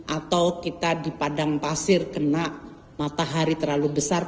atau kita di padang pasir kena matahari terlalu besar